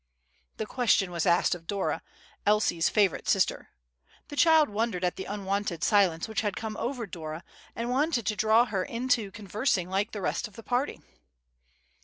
The question was asked of Dora, Elsie's favorite sister. The child wondered at the unwonted silence which had come over Dora, and wanted to draw her into conversing like the rest of the party.